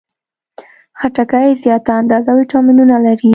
خټکی زیاته اندازه ویټامینونه لري.